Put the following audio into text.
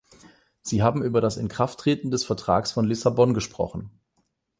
Sie haben über das Inkrafttreten des Vertrags von Lissabon gesprochen.